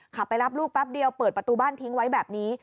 ไปรับลูกแป๊บเดียวเปิดประตูบ้านทิ้งไว้แบบนี้